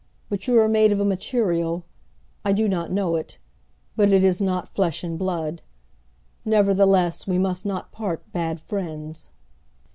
But you are made of a material I do not know it but it is not flesh and blood. Nevertheless we must not part bad friends."